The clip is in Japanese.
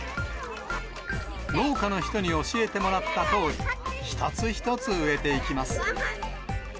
農家の人に教えてもらったとおり、一つ一つ、植えていきます。